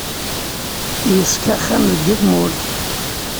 Yeṣka axxam deg tmurt.